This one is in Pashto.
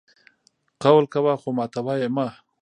قول کوه خو ماتوه یې مه!